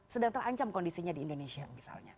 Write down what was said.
sedang terancam kondisinya di indonesia misalnya